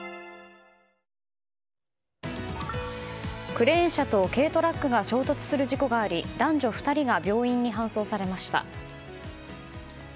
クレーン車と軽トラックが衝突する事故があり男女２人が病院に搬送されました。